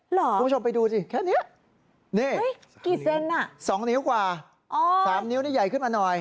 หรอคุณผู้ชมไปดูสิแค่นี้นี่สองนิ้วกว่าสามนิ้วนี่ใหญ่ขึ้นมาหน่อย